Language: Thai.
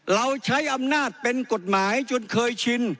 เราใช้อำนาจเป็นกฎหมายจนเคยชิน